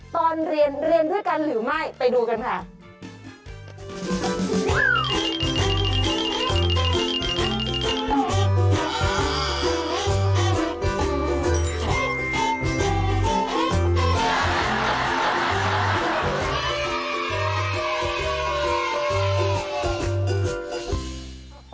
ตอนเรียนเรียนด้วยกันหรือไม่ไปดูกันค่ะ